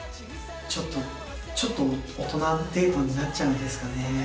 ちょっと、ちょっと大人デートになっちゃうんですかね。